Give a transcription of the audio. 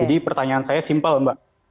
jadi pertanyaan saya simpel mbak